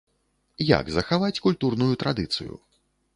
Як захаваць культурную традыцыю?